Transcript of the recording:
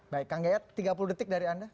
baik kang gayat tiga puluh detik dari anda